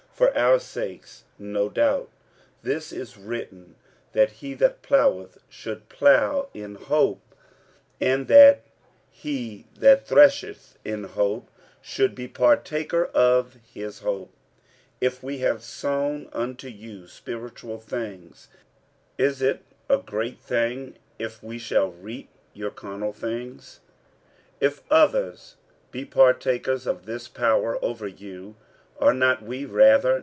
For our sakes, no doubt, this is written: that he that ploweth should plow in hope; and that he that thresheth in hope should be partaker of his hope. 46:009:011 If we have sown unto you spiritual things, is it a great thing if we shall reap your carnal things? 46:009:012 If others be partakers of this power over you, are not we rather?